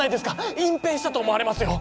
隠蔽したと思われますよ。